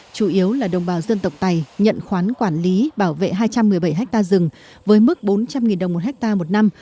chủ yếu là đồng bào dân tộc tày nhận khoán quản lý bảo vệ hai trăm một mươi bảy ha rừng với mức bốn trăm linh đồng một hectare một năm